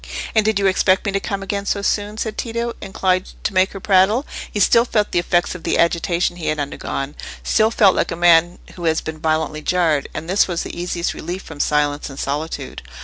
"And did you expect me to come again so soon?" said Tito, inclined to make her prattle. He still felt the effects of the agitation he had undergone—still felt like a man who has been violently jarred; and this was the easiest relief from silence and solitude.